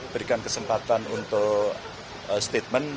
berikan kesempatan untuk statement